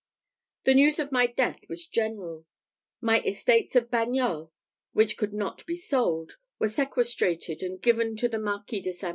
"The news of my death was general; my estates of Bagnols, which could not be sold, were sequestrated and given to the Marquis de St. Brie.